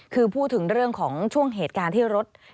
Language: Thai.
คือพูดถึงเรื่องของช่วงเหตุการณ์ที่รถ